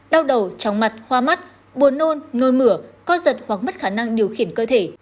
đau đầu chóng mặt hoa mắt buồn nôn nôn mửa co giật hoặc mất khả năng điều khiển cơ thể